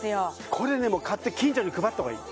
これね買って近所に配った方がいい